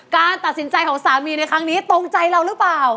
การตัดสินใจของสามีในครั้งนี้ตรงใจเราหรือเปล่า